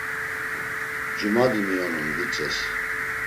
Cumadi miyonun Vitzes.